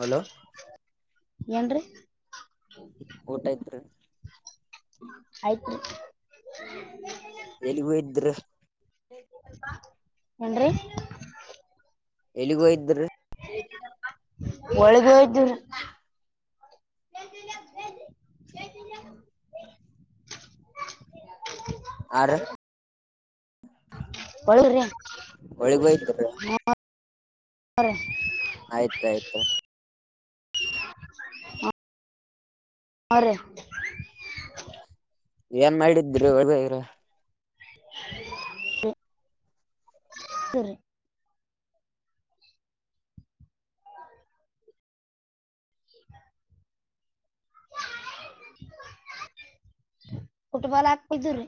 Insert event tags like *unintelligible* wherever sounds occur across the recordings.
Hello ಏನ್ರರಿ ಊಟ ಆತ್್ರ ಆಯ್ತು ಎಲ್ಲಿಗ ಇದ್ದರುೆ ಏನ್ರಿ ಎಲ್ಲಿಗೂ ಇದ್ದರು ಒಳ್ಳದಯತು ಹ ಆ ಬಳಿ ಆಯ್ತಾಯ್ತು ಹ್ಮ ಆ ಏನ್ ಮಾಡಿದ್ರಿ ಒ ಸರಿ ಹ ಕುಟುಂಬಲ್ ಹಾಕ್ತಿದ್ದ್ರೀ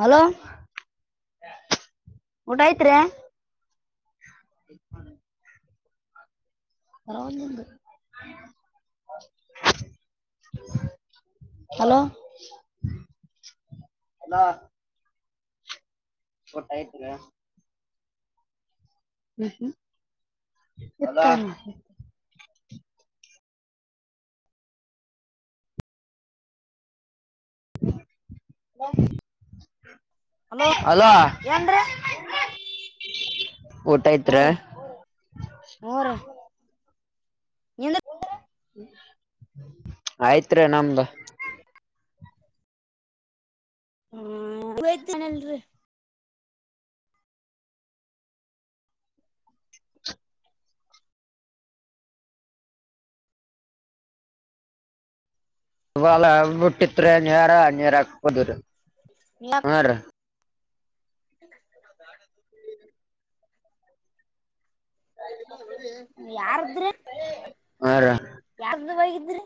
ಹಲೋ ಊಟ ಆಯ್ತ್ರಿ ಈ ಹರ ಒಂದಂದು ಹಲೋಲ ಟ್ಟ ಆಯ್ತರ ಹ್ಮ್ ಹ್ಮ್ ಹ ಹಲೋ ಏನ್್ರೀ ಊಟ ಐತ್ರ ಹ ರ ಹ ರ ಇನ್ನು ಆಯ್ತ್ ನಮ್ದ ಹ್ಮ ಹತೇನಲ್ರರಿ ಲ ಬಿಟ್ಟಿತ್ರಿ ನೀರ ನೀರ ಹಾಕ್ಬದ್ರಿ ಹನ್್ರಿ ಹ ಯಾರದ್ರಿ ಹಾ ರೀ ಯಾರ್ದ ಬೈಗಿದ್ರಿ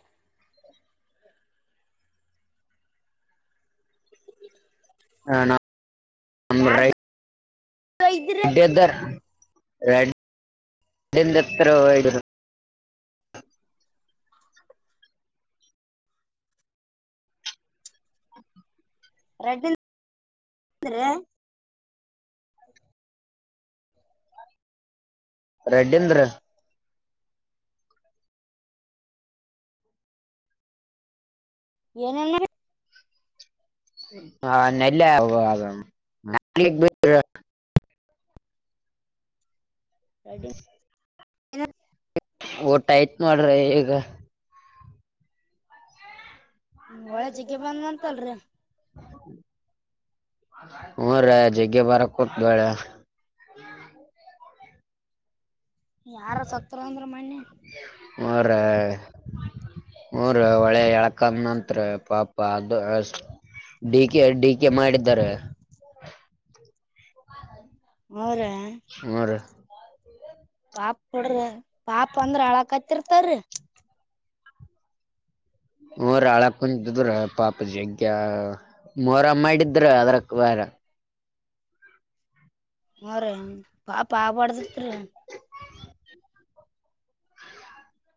ಹ ನಾ ಯಾರ್ದು ಒಯ್ದಿರಿ ಎ ರಜಂದ್ರೆ ರಡೀಂದ್ರ ಏನಲ್ಲ ಹ ನೆಲ್ಲ ರಡಿಂಗ ಊಟ ಆಯತ್ ಮಾಡ್ರಿ ಈಗ ಒಳ್ಳೆ ಜಗ್ಗೆ ಬಂದಂತಲ್ರಿ ಹ ಜಗೆ ಬರ ಕೊತ್ ಬೆಳ ಯಾರ ಸತ್ರ ಅಂದ್ರ ಮನ್ನಿ ಮೂರು ಒಳೆ ಎಳ ಕಂದತ್ತ್ರ ಪಾಪ ಅದು ಡಿ ಕೆ ಡಿ ಕೆ ಮಾಡಿದರೆ ಅವರ ಹ್ಮ ರೀ ಪಾಪ ಕೊಡ್ರ ಪಾಪ ಅಂದ್ರ ಹಳಕ್ ಹತ್ತಿರ್ತಾರಿ ರಳ ಕುಂಜ ದರ ಪಾಪ ಜಗ ಮೊರಮ್ಮ ಮಾಡಿದ್ರ ಅದ್ರಕ್ ಬಾರ ಹ ರೀ ಪಾಪಾ ಬಡ್ದತ್ೀ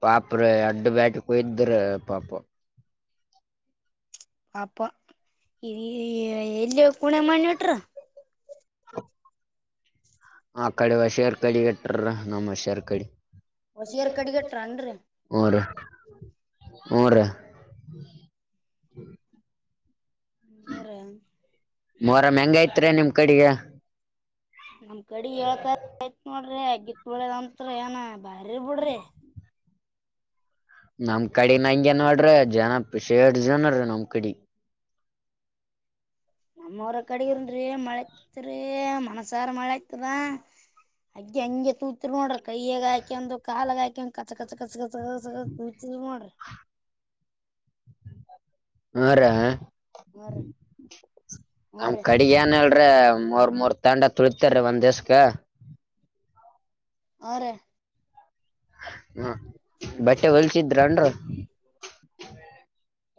ಪಾಪ ರ ಅಡ್ಡು ಬ್ಯಾಟ ಕೊಯ್ದ್ರ ಪಾಪ ಪಾಪ ಈ ಎಲ್ಲಿಯ ಕುಣೆ ಮಣ್ಣಿಟ್ರ ಹ ಆ ಕಡೆ ಹಷಾರ್ ಕಡೆ ಇಟ್ರ ನಮ್ಮ್ ಹಷಾರ್ ಕಡೆ ಹೊಸಿಯರ್ ಕಡಿಗೆಟ್ರನ್ರಿ ಅವರ ಅವರ ಹ್ಞೂರಿ ಮರ ಮ್ಯಾಂಗ ಐತ್ರಿ ನಿಮ್ ಕಡೆಗೆ ನಮ್ ಕಡೆ ಏಳ್ತಾರ ಆಯತ್ ನೋಡ್ರಿ ಅಗ್ಗಿತ್ ಬಿಳದ ಅಂತ್ತ್ರ ಏನ ಬಾರಿ ಬಿಡ್ರಿ ನಮ್ ಕಡ ನ ಹಂಗೆ ನೋಡ್ರಿ ಜನ ಶೇಡ್ ಜನ ನಮ್ ಕಡಿ ನಮ್ಮವ್ರ ಕಡೆಗರನ್ೀ ಮಳೆತ್ರಿೀ ಮನ್ಸಾರ ಮಳೆತ್ ಾ ಅಗ್ಗೆ ಹಂಗೆ ತೂತ್ರು ನೋಡ್ರಿ ಕೈಯಗ ಹಾಕಿ ಒಂದು ಕಾಲಗ ಹಾಕಿ ಒಂದ್ ಕಚ ಕ ಕತ್ಕ ಕುತ ಮಾಡಿ ಹಾರ ಹಾ ರೀ ಹಾ ನಮ್ ರೀ ಕಡಿಗ ಏನ್ಲ್ರಿ ಮೂರ್ ಮೂರ್ ತಂಡ ತುಳತಾರೀ ಒಂದ್ ದಿವಸಕ ಹಾ ರೇ ಹಾ ಹ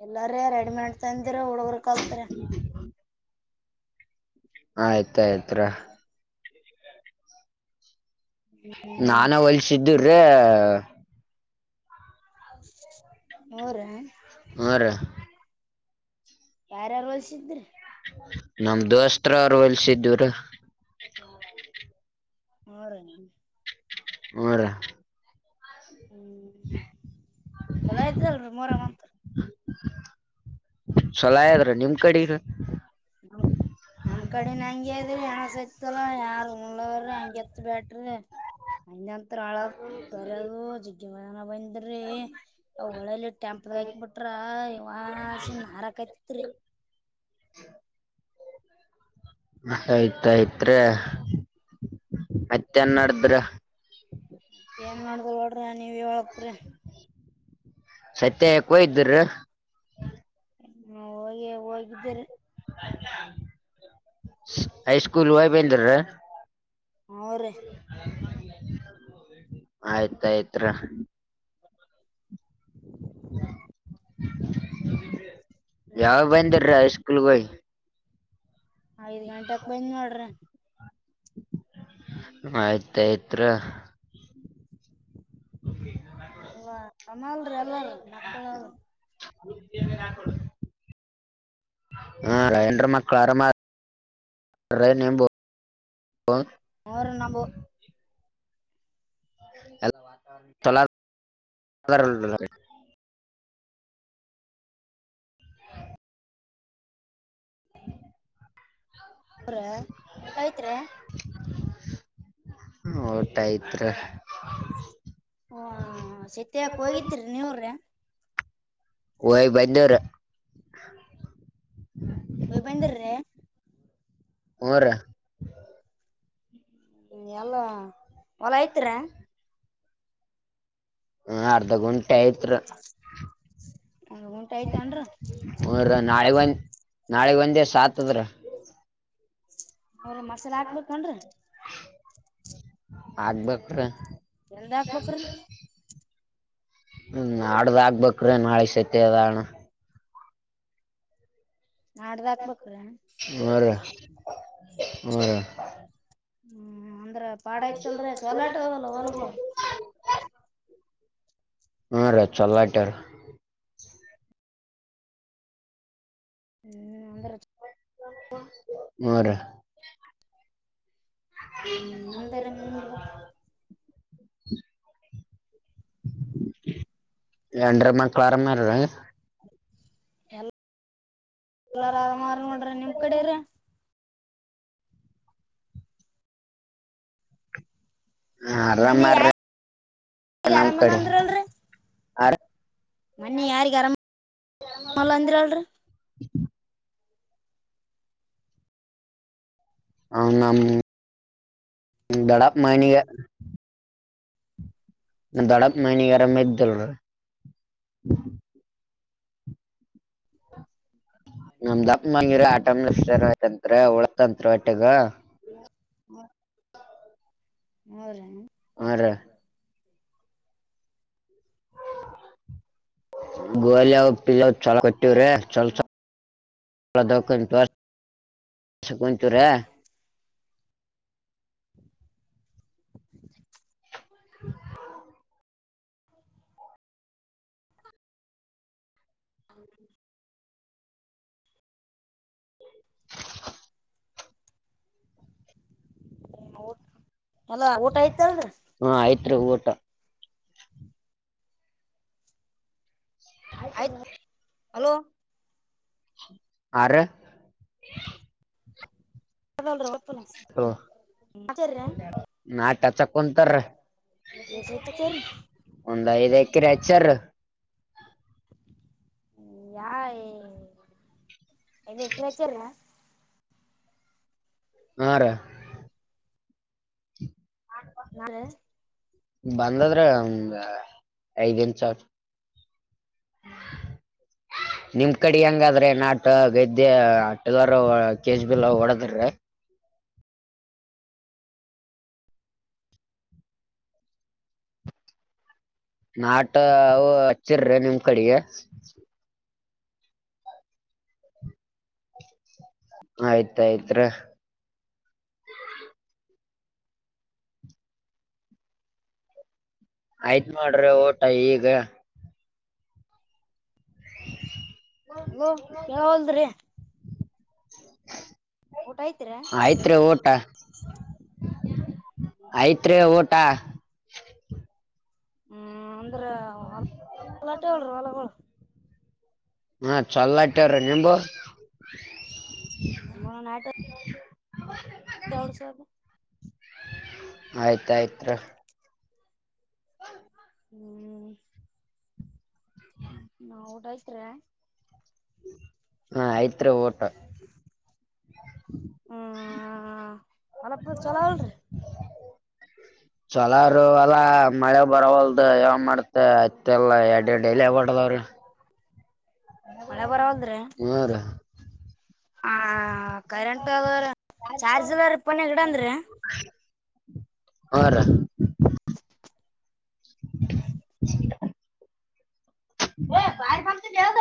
ಎಲ್ಲಾರ ರೆಡಿ ಮಾಡತಂದಿರ ಹುಡುಗರು ಕಲ್ತಾರ ಆ ಆಯ್ತ ಆಯ್ತ್ ಹ್ಮ್ ನಾನ ಹೊಲ್ಸಿದ್ದಿ್ರೀ ಮೂಊರ ಹ್ಞೂ ರೀ ಯಾರ್ಯಾರು ಹೊಲ್ಸಿದ್ರಿ ನಮ ದೋಸ್ತ್ರ ಅವರು ಹೊಲ್ಸಿದವರ ಹರ ಹರ ಹ್ಮ್ ಚಲೋ ಆಯ್ತಲ್ರಿ ಮೂರ ಮತ್ ಚಲೋ ಆಯದ್ರ ನಿಮ್ ಕಡಿಗ ನಮ್ ನಮ್ ಕಡಿನ ಹಂಗೆ ಅದ್ರಿ ಹೆಣಸ ಐತಲ್ಲ ಯಾರ್ ಉಂಗಲವ್ರ ಹಂಗೆ ಎತ್ ಬ್ಯಾಡ್ರಿ. ಎತ್ರ್ ಅಳದ್ ಬರದು ಜಿಗ್ಗಿ ಮಾರನ ಬಂದ್ರಿ ಅವ ಒಳಲ್ಲಿ ಟೆಂಪ್ ದಾಗ್ ಹಾಕ್ ಬಿಟ್ರ ಯವ್ವಾ ಹಾಸಿನ್ ಹಾರಕ್ಕತ್ತಿತ್ರಿ ಆಯ್ತ್ ಅಯ್ತ್ರಿ ಮತ್ತೇನ್ ನಡ್ದ್ರಿ. ಏನ್ ಮಾಡದು ಗೌಡ್ರೆ ನೀವೇ ಹೇಳ್ಬೇಕ್ರಿ ಸತ್ಯ ಕೊಯ ಇದ್ರ್ ಹೊ ಯೇ ಹೋಗಿದ್ದೆರಿ ಹೈ ಸ್ಕೂಲ್ ಹೊಯ್ ಬಂದೆರ್ರ್ ಅವ್ರಿ ಆಯ್ತ ಆಯ್ತ್ರ. *inaudible* ಯಾವಗ್ ಬಂದ್ರಿ ಹೈ ಸ್ಕೂಲ್ಗ್ ಹೊಯಿ ಐದ್ ಗಂಟಕ್ ಬಂದ್ನ್ ನೋಡ್ರಿ. ಆಯಿತ್ ಐತ್ರ *inaudible* ಎಲ್ಲ ನಮ್ಮಾಲ್ರ ಎಲ್ಲರು ಮಕ್ಕಳು ಹಾ ರ್ ಎಲ್ರ್ ಮಕ್ಕಳು ಅರಮಾ ರೈ ನಿಂಬು ಅವ್ರ ನಮ್ *unintelligible* ಎಲ್ ತೊಲ *unintelligible* *inaudible* ರೆ ಊಟ ಐತ್ರಿ. ಉಟ್ ಐತ್ರಿ ಹ ಓ ಸೀತ್ಯಾಕ್ ಹೋಗಿದ್ರಿ ನೀವ್ರಿ ಹೊಯ್ ಬಂದಿವ್ರ ಹೊಯ್ ಬಂದಿರ್ರಿ ಹ್ಮ್ ರ ಎಲ್ಲ ಹೊಲ ಐತ್ರ ಹ ಅರ್ಧ ಗುಂಟೆ ಆಯ್ತ್ರ ಒಂದ್ ಗುಂಟೆ ಆಯ್ತ್ ಅಂದ್ರ್ ರೀ ನಾಳೆಗ್ ಒಂದ್ ನಾಳೆಗ್ ಒಂದೇ ಸಾತ್ ದ್ರ. ಅವ್ರೆ ಮಸಾಲ ಹಾಕ್ಬೇಕನ್ರಿ ಆಗ್ಬೇಕ್ರ ಎಲ್ದ ಹಾಕ್ಬೇಕ್ರೀ ಹ್ಮ ನಾಡ್ದ್ ಆಗ್ಬೇಕ್ರೇ ನಾಳೆ ಸತ್ತಿ ಅದ ಅಣ ನಾಡ್ದ್ ಹಾಕ್ಬೇಕ್ರೀ. ಹ್ಮ ರ ಹ್ಮ್ ಅಂದ್ರ ಪಾಡ ಇತಲ್ರೀ ಸೊಲಾಟೊಗಲ್ಲ ಹೊಲಗೊಳ್ ಹ್ಮ್ ರಿ ಚಲೋ ಒಟ್ಯಾರ. ಏಯ್ ಅಂದ್ರ್ ಚ ಹ್ಮ್ ರಿ ಹ್ಮ್ ಮುಂದರಿ ನಿಮ್ಗ *unintelligible* ಹೇಂಡ್ರ್ ಮಕ್ಳ್ ಅರಮರಿ. ಎಲ್ಲಾರ ಆರಾಮಾರ ನೋಡ್ರಿ ನಿಮ್ ಕಡೆರ ಮೊನ್ನೆ ಯ ಆರಾಮಾರ್ರಿ ಆರಾಮಲ್ಲ ಅಂದ್ರಲ್ರಿ. ಆ ರಿ ಮನ್ನಿ ಯಾರಿಗ್ ಗರಮ ಅಲ್ಲ ಅಂದ್ರಲ್ರಿ ಹ ನಮ್ ದಡಪ್ಪ್ ಮಗನಿಗ ನಮ್ ದೊಡಪ್ಪ್ ಮಗ್ನಿಗ್ ಅರಾಮಿದ್ದಿಲ್ ನೋಡ್ರಿ. ನಮ್ದ ದೋಪ್ ಮಂಗಿಲ್ಲೆ ಆಟಮ *unintelligible* ಉಳತಂತ್ ಒಟ್ಟಗ ವಾ ಹ್ರ ಹರ ಗುಲಿ ಅವ ಪಿಲ್ಲ ಚಲ ಕೊಟ್ಟೀವ ರೇ ಚಲ ಚ ಕುಚರ ಹ ಹೌ ಊ ಅಲ ಊಟ ಆಯ್ತ ಅದ್ರ ತ್ರಗೂಟ ಹಾಯ್ತ ಆಯ್ತ್ ಹಲೋ ಆ ಅರ ಒಪ್ಪನ ನಾಟ ಚ ಕುಂತರ ಹಚ್ಚಾರಿ ಒಂದ್ ಐದ್ ಎಕರೆ ಚರು ಯಾರ ಮೇಕಚಲ್ಲ ಹಾರ ಹ ನಾ ಬಂದದ್ರ ಒ ಐದ್ಂ ಸ ಅ ನಿಮ ಕಡೆ ಹೆಂಗಾದ್ರೆ ನಾಟ ಗದ್ಯೆ ಆಟದಾರ ಕೆಜ ಬಿಲ ಹೊಡದ್ರ ನಾಟ ಹಚ್ಚಿರ್ರಿ ನಿಮ್ ಕಡೆಗೆ ಆಯ್ತಾಯ್ತ್ ಆಯ್ತ್ ಮಾಡ್ರಿ ಓಟ ಈಗ ಅಲೋ ಕಲ್ದ್ರಿ ಐತ್ರಿ ಆಯ್ತ್ ರೀ ಊಟ ಆಯ್ತ್ ರೇ ಓಟ ಹ್ಮ್ ಅಂದ್ರ ಹೊಲಾಟೆ ಹೊಲ ಹಾ ಚಲ ಇಟ್ಟವ್ರೀ ನಿಮ್ದು ಹೌ ನಾಟ ಎರಡ್ ಸಾವಿರ ಆಯ್ತಾಯ್ತ್ ಹ ಹ್ಮ್ ನಾ ಊಟಾಯ್ತ್ ಹಾ ಐತ್ ಓಟ ಹ್ಮ್ ಮಲಪ ಚಲ ಅಲ್ರಿ ಹ *unintelligible* ಚಲರು ಅಲ್ಲಾ ಮಳೆ ಬರವಲ್ದು ಯಾವ ಮಾಡ್ತ ಅತ್ತಲ್ಲ ಎಡ್ ಡೈಲಿ ಹಬಟದವ್ರಿ ಹ ಮಳೆ ಬರವಲ್ಡ್ರಿ ಹ್ಮ್ ರಿ ಹ ಕರೆಂಟ್ ಚಾರ್ಜ್ ಎಲ್ಲ ರಿಪನ್ಿ ಗಿಡಂದ್ರೀ ಹಾ ರ ಹ ಹ ಬಾಯಫತ ದದ